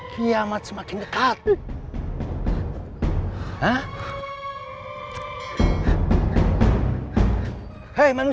dia lagi dia lagi